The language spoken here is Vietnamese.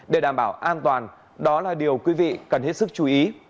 để đảm bảo an toàn đó là điều quý vị cần hết sức chú ý